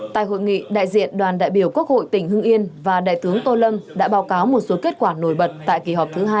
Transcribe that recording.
tại hội nghị đại diện đoàn đại biểu quốc hội tỉnh hưng yên và đại tướng tô lâm đã báo cáo một số kết quả nổi bật tại kỳ họp thứ hai